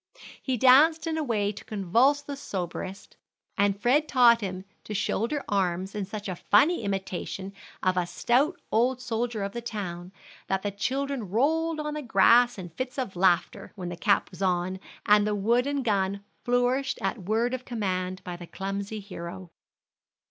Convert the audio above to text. He danced in a way to convulse the soberest, and Fred taught him to shoulder arms in such a funny imitation of a stout old soldier of the town that the children rolled on the grass in fits of laughter when the cap was on, and the wooden gun flourished at word of command by the clumsy hero.